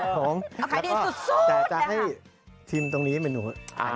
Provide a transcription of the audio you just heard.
ขายดีสุดนะครับแล้วก็แต่จะให้ชิมตรงนี้เมนู